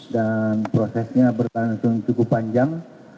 dan prosesnya berlangsung cukup panjang